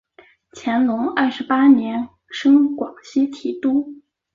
乾隆二十八年升广西提督。